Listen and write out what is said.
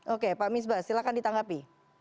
oke pak misbah silahkan ditanggapi